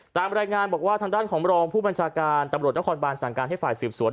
ตามรายงานบอกว่าทางด้านของรองผู้บัญชาการตำรวจนครบานสั่งการให้ฝ่ายสืบสวน